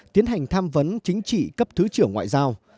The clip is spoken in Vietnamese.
tiến hành tham vấn chính trị cấp thứ trưởng ngoại giao